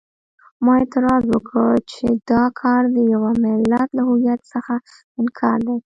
ما اعتراض وکړ چې دا کار د یوه ملت له هویت څخه انکار دی.